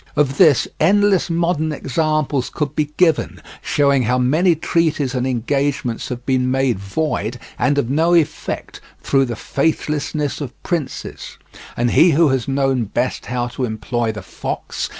Of this endless modern examples could be given, showing how many treaties and engagements have been made void and of no effect through the faithlessness of princes; and he who has known best how to employ the fox has succeeded best.